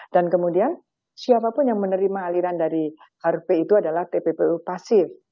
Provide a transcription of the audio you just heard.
dan kemudian siapapun yang menerima aliran dari harvey itu adalah tppu pasif